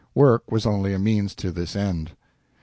Work was only a means to this end.